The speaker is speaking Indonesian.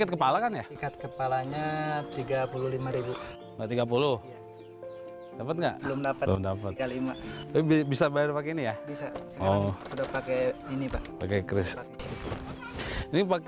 kalau datang itu ada program dari bank